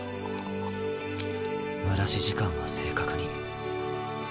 蒸らし時間は正確に。